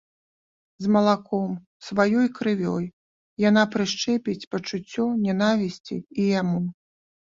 З малаком, з сваёй крывёй яна прышчэпіць пачуццё нянавісці і яму.